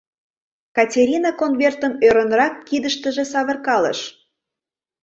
Катерина конвертым ӧрынрак кидыштыже савыркалыш.